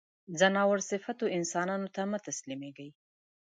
ځناور صفتو انسانانو ته مه تسلیمېږی.